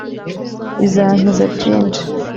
Bizankiza byinshi.